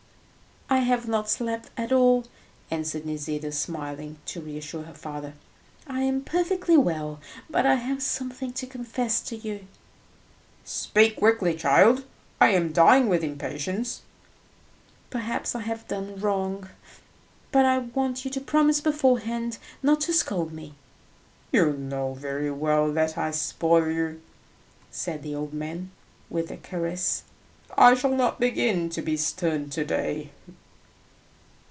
"I have not slept at all," answered Nisida, smiling, to reassure her father; "I am perfectly well, but I have something to confess to you." "Speak quickly, child; I am dying with impatience." "Perhaps I have done wrong; but I want you to promise beforehand not to scold me." "You know very well that I spoil you," said the old man, with a caress; "I shall not begin to be stern to day."